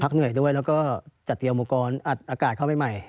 พักเหนื่อยด้วยแล้วก็จะเจ๋วมุกรอัดอากาศเข้าใหม่